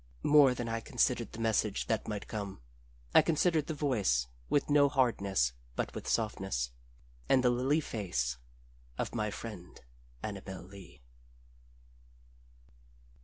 More than I considered the message that might come, I considered the voice with no hardness but with softness, and the lily face of my friend Annabel Lee.